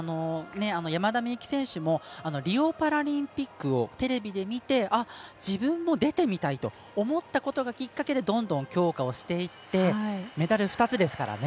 山田美幸選手もリオパラリンピックをテレビで見て自分も出てみたいと思ったことがきっかけでどんどん強化をしていってメダル２つですからね。